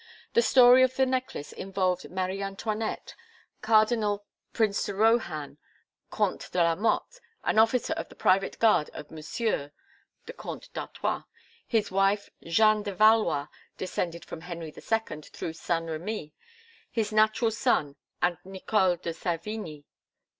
The story of the necklace involved Marie Antoinette, Cardinal Prince de Rohan, Comte de la Motte an officer of the private guard of "Monsieur" (the Comte d'Artois), his wife Jeanne de Valois, descended from Henry II through Saint Remy, his natural son and Nicole de Savigny.